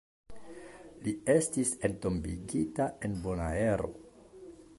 Li estis entombigita en Bonaero.